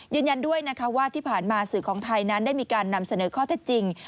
ยืนยันด้วยนะคะว่าที่ผ่านมาสื่อของไทยนั้นได้มีการนำเสนอข้อเท็จจริง